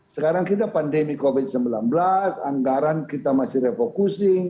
sekarang kita pandemi covid sembilan belas anggaran kita masih refocusing